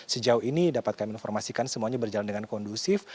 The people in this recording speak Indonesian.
sejauh ini dapat kami informasikan semuanya berjalan dengan kondusif